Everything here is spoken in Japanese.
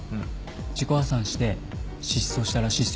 自己破産して失踪したらしいっすよ。